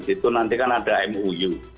itu nanti kan ada mou